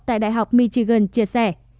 tại đại học michigan chia sẻ